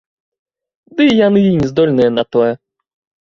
Дый яны і не здольныя на тое!